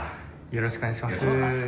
よろしくお願いします。